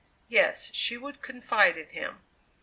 Yes, she would confide in him.